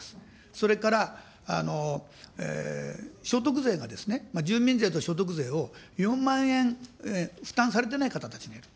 それから、所得税が住民税と所得税を４万円負担されてない方たちもいる。